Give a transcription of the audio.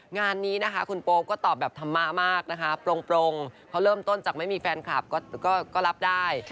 งานนี้นะคะคุณโป๊ปก็ตอบแบบธรรมะมากนะคะโปรงเขาเริ่มต้นจากไม่มีแฟนคลับก็รับได้